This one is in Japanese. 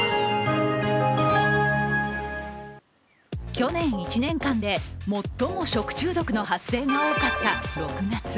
去年１年間で最も食中毒の発生が多かった６月。